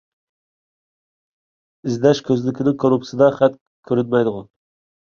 ئىزدەش كۆزنىكىنىڭ كۇنۇپكىسىدا خەت كۆرۈنمەيدىغۇ؟